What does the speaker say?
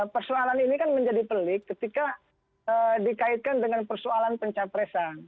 persoalan ini kan menjadi pelik ketika dikaitkan dengan persoalan pencapresan